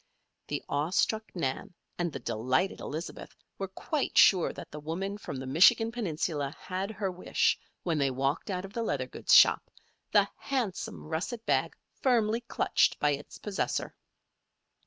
The awe struck Nan and the delighted Elizabeth were quite sure that the woman from the Michigan Peninsula had her wish when they walked out of the leather goods shop, the handsome russet bag firmly clutched by its possessor.